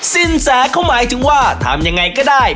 สินแสเขาหมายถึงว่าทำยังไงก็ได้